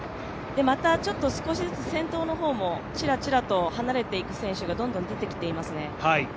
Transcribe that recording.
またちょっと少しずつ先頭の方もちらちらと離れていく選手がどんどん出てきていますね。